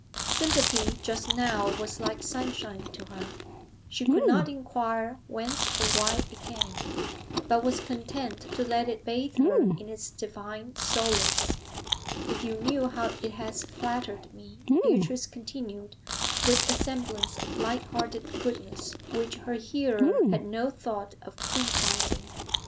Sympathy just now was like sunshine to her; she could not inquire whence or why it came, but was content to let it bathe her in its divine solace. 'If you knew how it has flattered me!' Beatrice continued, with a semblance of light hearted goodness which her hearer had no thought of criticising.